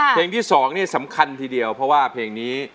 เพลงที่๒นี่สำคัญทีเดียวเพราะว่าเพลงนี้